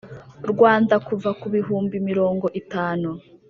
Rwanda kuva ku bihumbi mirongo itanu